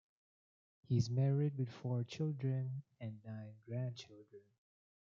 He is married with four children and nine grandchildren.